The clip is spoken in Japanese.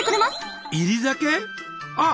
あ！